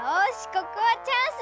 ここはチャンス！